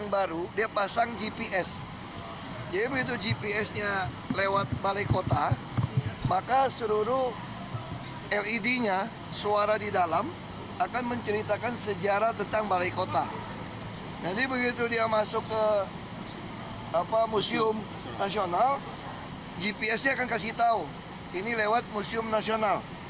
gps nya akan kasih tahu ini lewat museum nasional